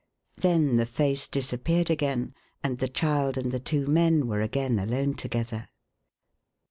Then the face disappeared again, and the child and the two men were again alone together.